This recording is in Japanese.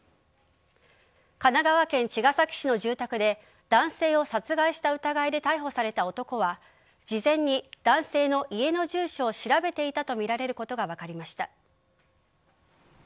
神奈川県茅ヶ崎市の住宅で男性を殺害した疑いで逮捕された男は事前に男性の家の住所を調べていたとみられることが分かりました。